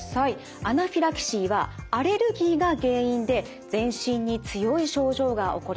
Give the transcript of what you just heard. アナフィラキシーはアレルギーが原因で全身に強い症状が起こります。